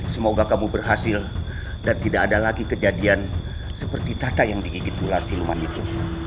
semoga kamu berhasil dan tidak ada lagi kejadian seperti tata yang digigit ular siluman itu